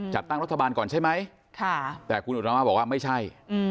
จัดตั้งรัฐบาลก่อนใช่ไหมแต่คุณอุตมาบอกว่าไม่ใช่